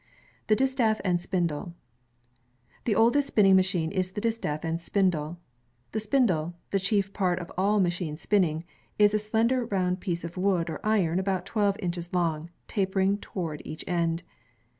The Distaff and Spindle The oldest spinning machine is the distaff and spindle. The spindle, the chief part of all machine spinning, is a slender round piece of wood or iron about twelve inches long, tapering toward each end.